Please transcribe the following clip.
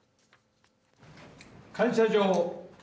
感謝状。